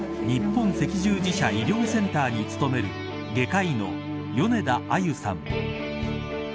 そう、力強く語るのは日本赤十字社医療センターに勤める外科医の米田あゆさん。